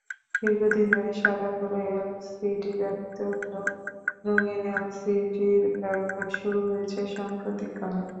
দীর্ঘদিন ধরে সাদা-কালো এলসিডি ব্যবহৃত হলেও রঙিন এলসিডির ব্যবহার শুরু হয়েছে সাম্প্রতিককালে।